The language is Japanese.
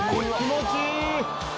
気持ちいい！